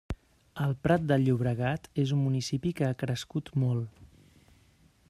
El Prat de Llobregat és un municipi que ha crescut molt.